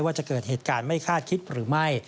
ว่าจะเกิดเหตุการณ์ไม่คาดคิดหรือไม่